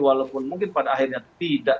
walaupun mungkin pada akhirnya tidak